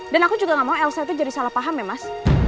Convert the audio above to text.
dan aku juga gak mau elsa itu jadi salah paham ya mas